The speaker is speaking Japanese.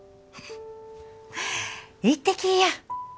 行ってきいや